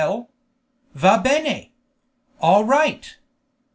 _Va bene! All right!!